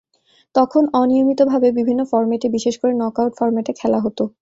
তখন অনিয়মিতভাবে বিভিন্ন ফরম্যাটে বিশেষ করে নকআউট ফরম্যাটে খেলা হত।